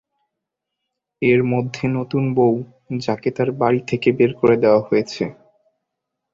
এর মধ্যে নতুন বৌ, যাঁকে তাঁর বাড়ি থেকে বের করে দেওয়া হয়েছে।